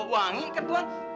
wangi kan tuhan